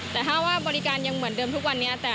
แต่ถ้าว่าบริการยังเหมือนเดิมทุกวันนี้